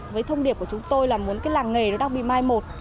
với thông điệp của chúng tôi là muốn cái làng nghề nó đang bị mai một